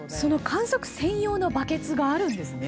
観測専用のバケツがあるんですね。